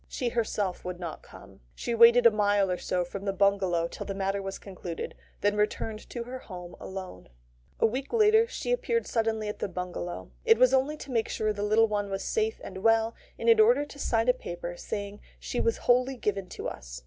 She herself would not come. She waited a mile or so from the bungalow till the matter was concluded, then returned to her home alone. A week later she appeared suddenly at the bungalow. It was only to make sure the little one was safe and well, and in order to sign a paper saying she was wholly given to us.